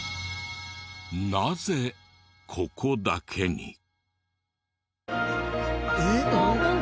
なぜここだけに？